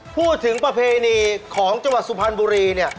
พูดถึงประเพณีของจังหวัดสุพรรณบุรี